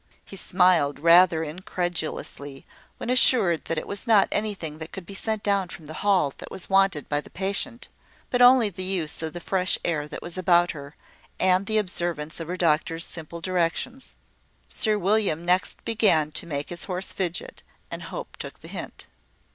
He smiled rather incredulously when assured that it was not anything that could be sent down from the Hall that was wanted by the patient, but only the use of the fresh air that was about her, and the observance of her doctor's simple directions. Sir William next began to make his horse fidget, and Hope took the hint.